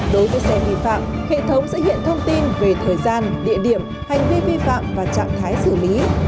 đối với xe vi phạm hệ thống sẽ hiện thông tin về thời gian địa điểm hành vi vi phạm và trạng thái xử lý